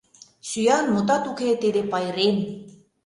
Сӱан, мутат уке, тиде — пайрем.